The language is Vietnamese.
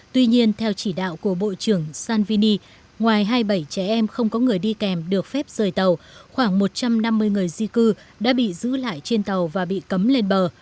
tuy nhiên theo chỉ đạo của bộ trưởng sanvini ngoài hai mươi bảy trẻ em không có người đi kèm được phép rời tàu khoảng một trăm năm mươi người di cư đã bị giữ lại trên tàu và bị cấm lên bờ